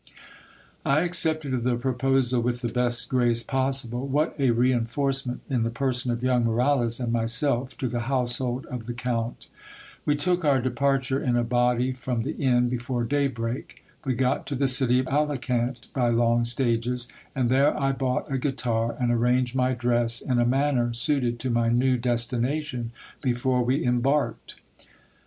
I accepted the proposal with the best grace possible. What a reinforce ment, in the person of young Moralez and myself, to the household of the count ! We took our departure in a body from the inn, before daybreak. We got to the city of Alicant by long stages, and there I bought a guitar, and arranged my dress in a manner suited to my new destination, before we em barked.